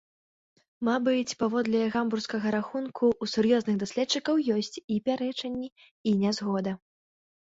Мабыць, паводле гамбургскага рахунку, у сур'ёзных даследчыкаў ёсць і пярэчанні, і нязгода.